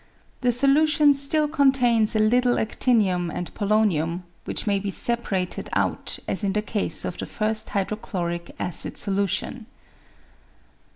The solution still contains a little adinium and polonium, which maybe separated out as in the case of the first hydrochloric acid solution.